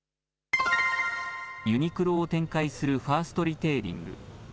ユニクロを展開するファーストリテイリング。